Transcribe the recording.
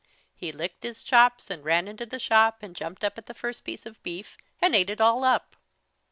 He licked his chops and ran into the shop and jumped up at the first piece of beef and ate it all up.